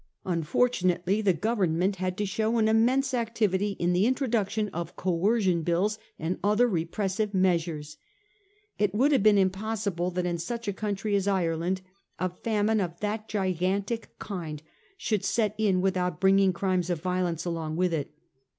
Unfortunately the Government had to show an immense activity in the introduction of Coercion Bills and other repressive measures. It would have been impossible that in such a country as Ireland a famine of that gigantic kind should set in without bringing crimes of violence along with it.